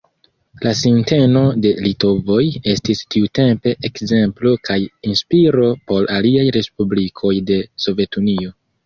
La sinteno de litovoj estis tiutempe ekzemplo kaj inspiro por aliaj respublikoj de Sovetunio.